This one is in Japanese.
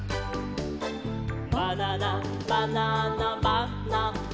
「バナナバナナバナナ」